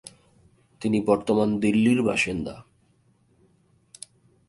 তিনি বর্তমান দিল্লীর বাসিন্দা।